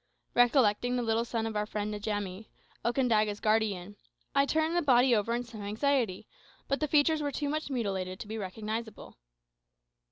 Recollecting the little son of our friend Njamie, Okandaga's guardian, I turned the body over in some anxiety; but the features were too much mutilated to be recognisable.